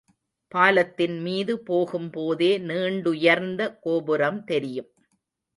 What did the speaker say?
பாலத்தின் மீது போகும் போதே நீண்டுயர்ந்த கோபுரம் தெரியும்.